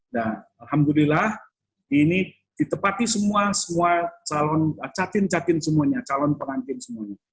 nah alhamdulillah ini ditepati semua semua calon catin catin semuanya calon pengantin semuanya